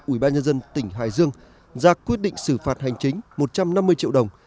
ubnd tỉnh hải dương ra quyết định xử phạt hành chính một trăm năm mươi triệu đồng